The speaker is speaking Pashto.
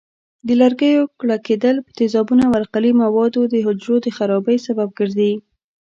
د لرګیو ککړېدل په تیزابونو او القلي موادو د حجرو د خرابۍ سبب ګرځي.